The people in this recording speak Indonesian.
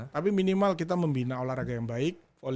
tapi minimal kita membina olahraga yang baik